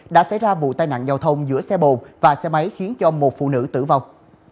đã xảy ra vụ tai nạn giao thông giữa xe bồ và xe máy khiến cho một phụ nữ tử vong